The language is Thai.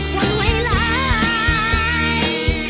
ความไหวร้าย